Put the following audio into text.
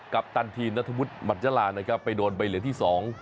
กัปตันทีนธมุติมัจจารานะครับไปโดนใบเหลืองที่สอง